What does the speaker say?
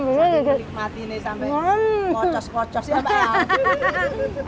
sampai belik mati nih sampai kocos kocos ya mbak ya